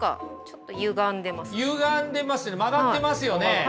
何かゆがんでますよね曲がってますよね。